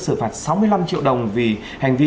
xử phạt sáu mươi năm triệu đồng vì hành vi